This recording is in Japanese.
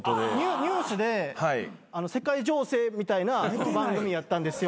ニュースで世界情勢みたいな番組やったんですよ。